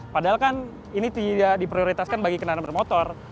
padahal kan ini tidak diprioritaskan bagi kendaraan bermotor